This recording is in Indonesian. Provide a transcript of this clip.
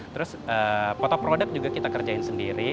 terus foto produk juga kita kerjain sendiri